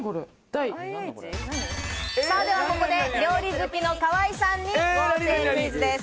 ではここで料理好きの河井さんに豪邸クイズです。